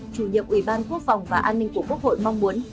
chủ nhiệm ủy ban quốc phòng và an ninh của quốc hội mong muốn